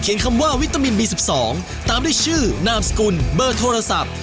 คำว่าวิตามินบี๑๒ตามด้วยชื่อนามสกุลเบอร์โทรศัพท์